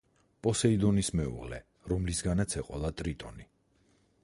პოსეიდონის მეუღლე რომლისგანაც ეყოლა ტრიტონი.